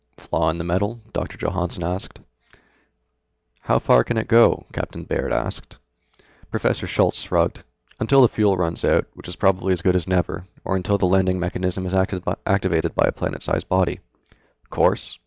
"Flaw in the metal?" Doctor Johannsen said. "How far can it go?" Captain Baird asked. Professor Schultz shrugged. "Until the fuel runs out, which is probably as good as never, or until the landing mechanism is activated by a planet sized body." "Course?